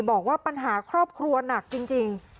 บอกว่าปัญหาครอบครัวหนักจริง